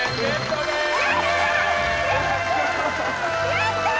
やったー！